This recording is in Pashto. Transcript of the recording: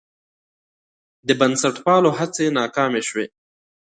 د بنسټپالو هڅې ناکامې شوې.